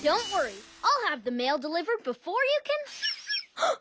はっ！